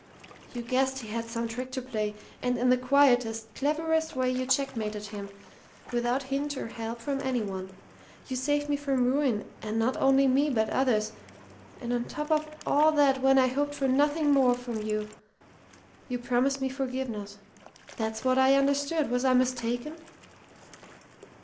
You guessed he had some trick to play, and in the quietest, cleverest way you checkmated him, without hint or help from any one. You saved me from ruin, and not only me, but others. And on top of all that, when I hoped for nothing more from you, you promised me forgiveness. That's what I understood. Was I mistaken?"